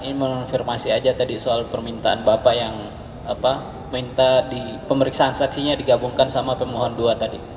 saya ingin mengonfirmasi aja tadi soal permintaan bapak yang minta di pemeriksaan saksinya digabungkan sama pemohon dua tadi